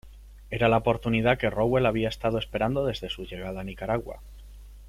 Era la oportunidad que Rowell había estado esperando desde su llegada a Nicaragua.